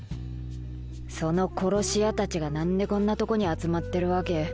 その殺し屋たちが何でこんなとこに集まってるわけ？